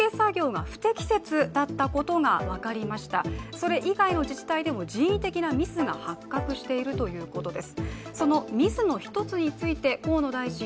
それ以外の自治体でも人為的なミスが発覚しているということです。